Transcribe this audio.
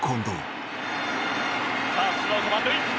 さあツーアウト満塁。